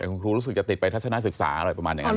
แต่คุณครูรู้สึกจะติดไปทัศนศึกษาอะไรประมาณอย่างนั้น